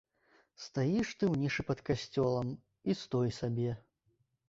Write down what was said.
Стаіш ты ў нішы пад касцёлам, і стой сабе.